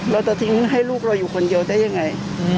เราจะทิ้งให้ลูกเราอยู่คนเดียวได้ยังไง